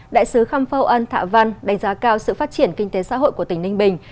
đại sứ khâm phâu ân thạ văn đánh giá cao sự phát triển kinh tế xã hội của tỉnh ninh bình